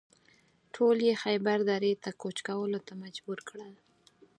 ټول یې خیبر درې ته کوچ کولو ته مجبور کړل.